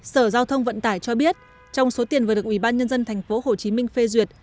sở giao thông vận tải cho biết trong số tiền vừa được ủy ban nhân dân thành phố hồ chí minh phê duyệt